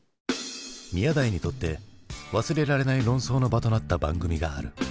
宮台にとって忘れられない論争の場となった番組がある。